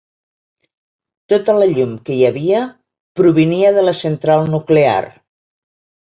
Tota la llum que hi havia provenia de la central nuclear.